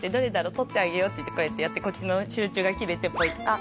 取ってあげようっていってこうやってやってこっちの集中が切れてポイッ「あっ」